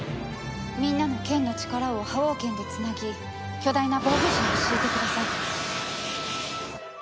みんなの剣の力を刃王剣でつなぎ巨大な防御陣を敷いてください。